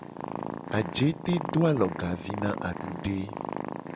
Ajete do alogavi na adude.